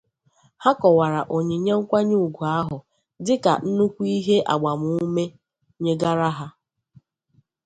Ha kọwara onyinye nkwanyeugwu ahụ dịka nnukwu ihe agbamume nyegara ha